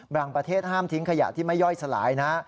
ประเทศห้ามทิ้งขยะที่ไม่ย่อยสลายนะ